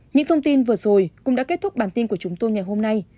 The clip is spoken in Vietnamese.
những thông tin vừa rồi cũng đã kết thúc bản tin của chúng tôi ngày hôm nay